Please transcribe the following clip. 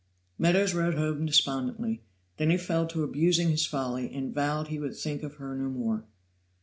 Meadows rode home despondently, then he fell to abusing his folly, and vowed he would think of her no more.